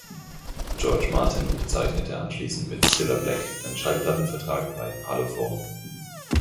George Martin unterzeichnete anschließend mit Cilla Black einen Schallplattenvertrag bei Parlophone.